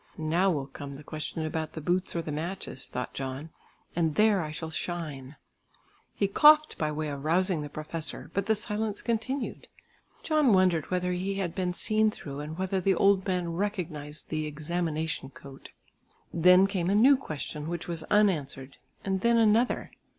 "Now will come the question about the boots or the matches," thought John, "and there I shall shine." He coughed by way of rousing the professor, but the silence continued. John wondered whether he had been seen through and whether the old man recognised the "examination coat." Then came a new question which was unanswered, and then another.